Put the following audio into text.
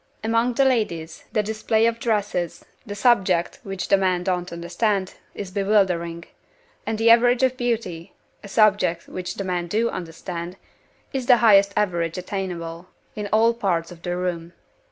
Among the ladies, the display of dresses (a subject which the men don't understand) is bewildering and the average of beauty (a subject which the men do understand) is the highest average attainable, in all parts of the room.